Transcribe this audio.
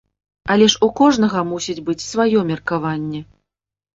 Але ж у кожнага мусіць быць сваё меркаванне.